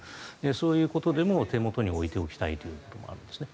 そういうことでも手元に置いておきたいということがあるんですね。